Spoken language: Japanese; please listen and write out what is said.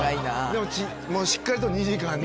でもしっかりと２時間に。